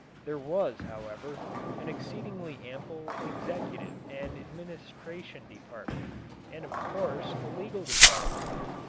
There was, however, an exceedingly ample executive and administration department, and of course a legal department.